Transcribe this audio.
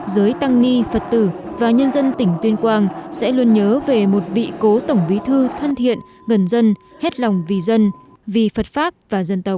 giới tăng ni phật tử và nhân dân tỉnh tuyên quang sẽ luôn nhớ về một vị cố tổng bí thư thân thiện gần dân hết lòng vì dân vì phật pháp và dân tộc